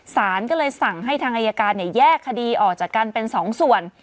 สารก็เลยสั่งให้ทางอายการแยกคดีออกจากกันเป็นสองส่วน